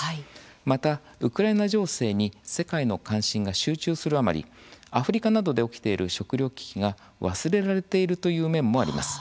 また、ウクライナ情勢に世界の関心が集中するあまりアフリカなどで起きている食料危機が忘れられているという面もあります。